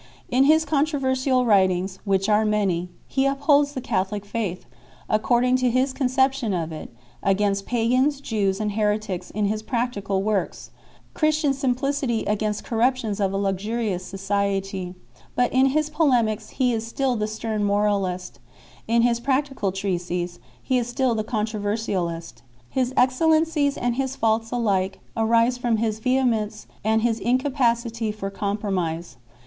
In his controversial writings, which are many, he upholds the Catholic faith, according to his conception of it, against pagans, Jews, and heretics y in his practical works, Chris tian simplicity against the corruptions of a luxurious society ; but in his polemics he is still the stern moralist, in his practical treatises he is still the controversialist. His excellencies and his faults alike arise from his vehe mence and his incapacity for compromise.